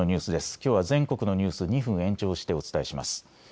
きょうは全国のニュース、２分延長してお伝えします。